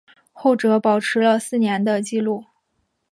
后者保持了四年的纪录。